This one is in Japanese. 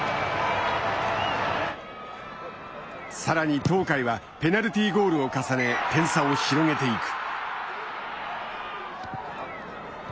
さらに東海はペナルティーゴールを重ね点差を広げていく。